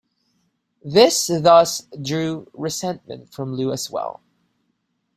This thus drew resentment from Lu as well.